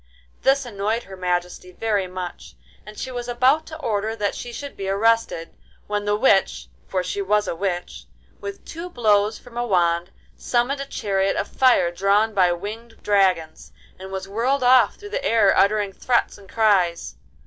This annoyed Her Majesty very much, and she was about to order that she should be arrested, when the witch—for she was a witch—with two blows from a wand summoned a chariot of fire drawn by winged dragons, and was whirled off through the air uttering threats and cries.